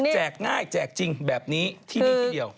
ง่ายแจกจริงแบบนี้ที่นี่ที่เดียว